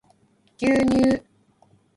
牛乳